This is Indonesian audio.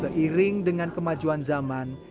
seiring dengan kemajuan zaman